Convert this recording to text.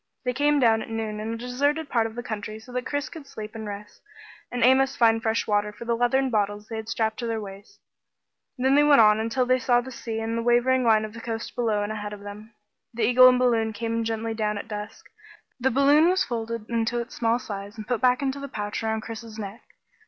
They came down at noon in a deserted part of the country so that Chris could sleep and rest, and Amos find fresh water for the leathern bottles they had strapped to their waists. Then they went on until they saw the sea and the wavering line of the coast below and ahead of them. The eagle and balloon came gently down at dusk. The balloon was folded into its small size and put back in the pouch around Chris's neck.